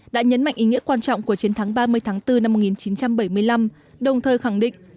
đã nhấn mạnh ý nghĩa quan trọng của chiến thắng ba mươi tháng bốn năm một nghìn chín trăm bảy mươi năm đồng thời khẳng định